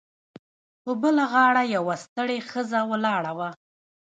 په بله غاړه یوه ستړې ښځه ولاړه وه